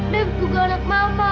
dem juga anak mama